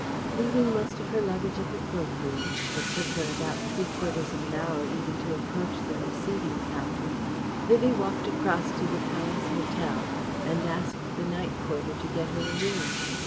Leaving most of her luggage at the cloak room it took her about three quarters of an hour even to approach the receiving counter Vivie walked across to the Palace Hotel and asked the night porter to get her a room.